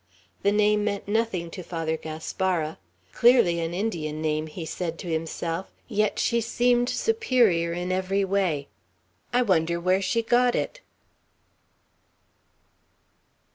The name meant nothing to Father Gaspara. "Clearly an Indian name," he said to himself; "yet she seemed superior in every way. I wonder where she got it."